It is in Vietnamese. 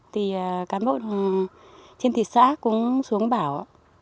thì cán bộ trên thị xã cũng xuống bảo